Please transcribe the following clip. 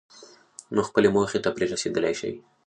نو خپلې موخې ته پرې رسېدلای شئ.